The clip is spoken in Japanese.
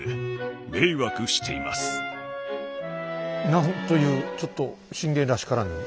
何というちょっと信玄らしからぬ。